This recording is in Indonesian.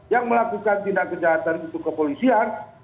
yang melakukan tindak kejahatan itu kepolisian